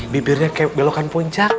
bibirnya kayak belokan puncak